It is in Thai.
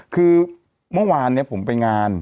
คือเมื่อวานผมไปงาน